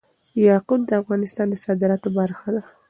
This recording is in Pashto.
یاقوت د افغانستان د صادراتو برخه ده.